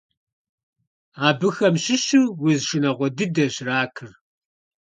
Абыхэм щыщу уз шынагъуэ дыдэщ ракыр.